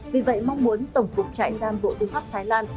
vì vậy mong muốn tổng cục trại giam bộ tư pháp thái lan